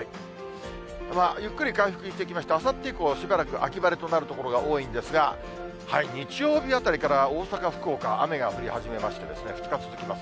ゆっくり回復していきまして、あさって以降は、しばらく秋晴れとなる所が多いんですが、日曜日あたりから、大阪、福岡、雨が降り始めまして、２日続きます。